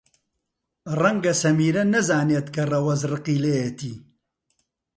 ڕەنگە سەمیرە نەزانێت کە ڕەوەز ڕقی لێیەتی.